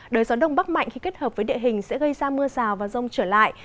đời gió đông bắc mạnh khi kết hợp với địa hình sẽ gây ra mưa rào và rông trở lại